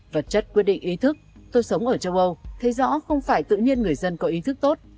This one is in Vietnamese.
vật chất quyết định ý thức tôi sống ở châu âu thấy rõ không phải tự nhiên người dân có ý thức tốt